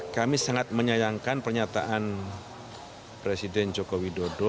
kami sangat menyayangkan pernyataan presiden jokowi dodo